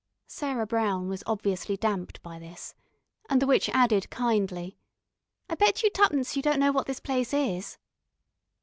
Sarah Brown was obviously damped by this, and the witch added kindly: "I bet you twopence you don't know what this place is."